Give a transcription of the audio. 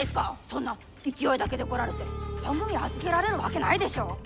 そんな勢いだけで来られて番組預けられるわけないでしょう！